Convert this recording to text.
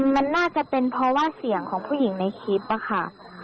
มันน่าจะเป็นเพราะว่าเสียงของผู้หญิงในคลิปอะค่ะ